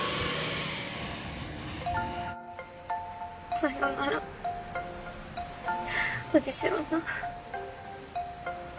さようなら藤代さん。